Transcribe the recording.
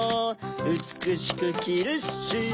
うつくしくきるッシュ